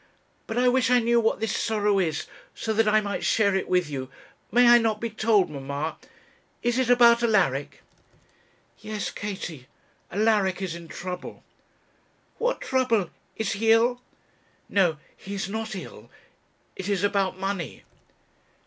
But I wish I knew what this sorrow is, so that I might share it with you; may I not be told, mamma? is it about Alaric?' 'Yes, Katie. Alaric is in trouble.' 'What trouble is he ill?' 'No he is not ill. It is about money.'